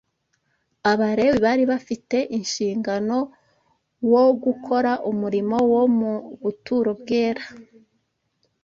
Abalewi bari bafite inshingano wo gukora umurimo wo mu buturo bwera